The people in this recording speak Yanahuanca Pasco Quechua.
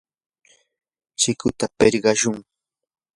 chikuta pirqashun.